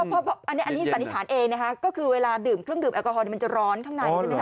เพราะอันนี้สันนิษฐานเองนะคะก็คือเวลาดื่มเครื่องดื่มแอลกอฮอลมันจะร้อนข้างในใช่ไหมค